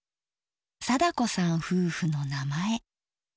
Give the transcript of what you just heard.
貞子さん夫婦の名前。